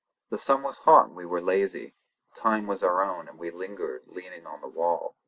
The sun was hot and we were lazy; time was our own, and we lingered, leaning on the wall.